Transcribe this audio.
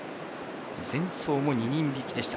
前走も２人引きでした。